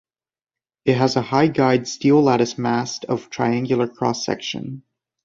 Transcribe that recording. It has a high guyed steel lattice mast of triangular cross section.